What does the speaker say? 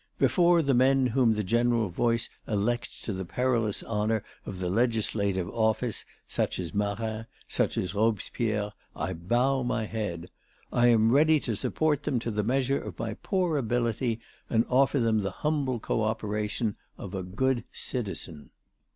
Before the men whom the general voice elects to the perilous honour of the Legislative office, such as Marat, such as Robespierre, I bow my head; I am ready to support them to the measure of my poor ability and offer them the humble co operation of a good citizen.